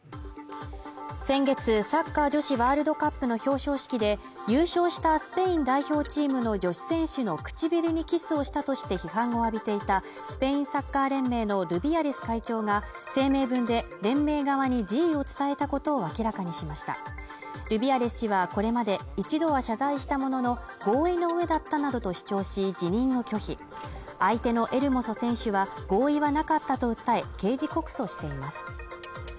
先月サッカー女子ワールドカップの表彰式で優勝したスペイン代表チームの女子選手の唇にキスをしたとして批判を浴びていたスペインサッカー連盟のルビアレス会長が声明文で連盟側に辞意を伝えたことを明らかにしましたルビアレス氏はこれまで１度は謝罪したものの合意の上だったなどと主張し辞任を拒否相手のエルモソ選手は合意はなかったと訴え刑事告訴しています